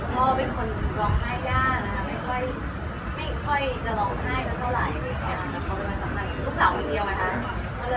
พ่อเป็นคนร้องไห้ยากนะครับไม่ค่อยจะร้องไห้เท่าไหร่